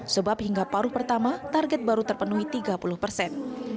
sebab hingga paruh pertama target baru terpenuhi tiga puluh persen